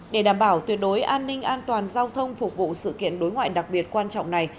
để đảm bảo tuyệt đối an ninh an toàn giao thông phục vụ sự kiện đối ngoại đặc biệt quan trọng này